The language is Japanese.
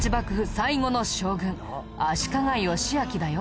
最後の将軍足利義昭だよ。